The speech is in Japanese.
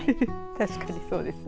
確かにそうですね。